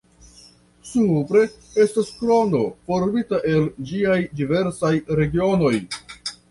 Supre estas krono formita el ĝiaj diversaj regionoj.